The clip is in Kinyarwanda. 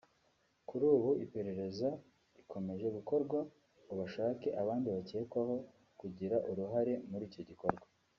Kuri ubu iperereza rikomeje gukorwa ngo bashake abandi bakekwaho kugira uruhare muri icyo gikorwa